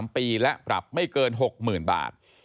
๓ปีและปรับไม่เกิน๖๐๐๐บาท